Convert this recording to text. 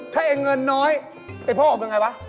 หอบหน้อยเป็นพ่อของเป็นไงบ้าง